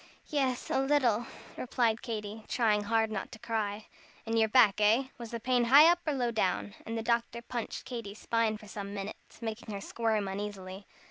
"Yes, a little," replied Katy, trying hard not to cry. "In your back, eh? Was the pain high up or low down?" And the doctor punched Katy's spine for some minutes, making her squirm uneasily.